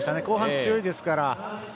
後半強いですから。